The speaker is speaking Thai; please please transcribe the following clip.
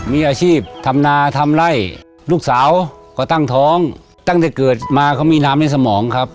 มีอาชีพทำนาทำไล่ลูกสาวก็ตั้งท้องตั้งแต่เกิดมาเขามีน้ำในสมองครับ